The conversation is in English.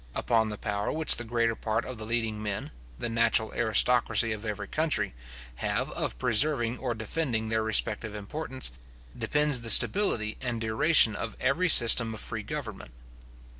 Upon the power which the greater part of the leading men, the natural aristocracy of every country, have of preserving or defending their respective importance, depends the stability and duration of every system of free government.